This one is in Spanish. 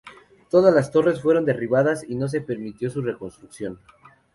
Todas las torres fueron derribadas y no se permitió su reconstrucción.